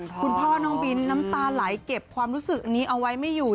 คุณพ่อน้องบินน้ำตาไหลเก็บความรู้สึกนี้เอาไว้ไม่อยู่